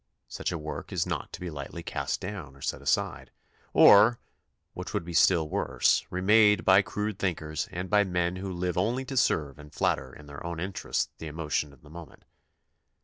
Such a work is not to be lightly cast down or set aside, or, which would be still worse, remade by crude thinkers and by men who live only to serve and flatter in their own interest the emo tion of the moment.